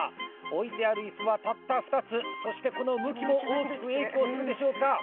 置いてあるイスはたった２つそしてこの向きも大きく影響するでしょうか？